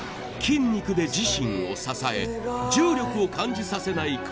筋肉で自身を支え重力を感じさせない